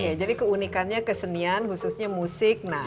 oke jadi keunikannya kesenian khususnya musik nah ini